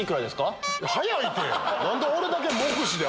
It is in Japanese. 早いて！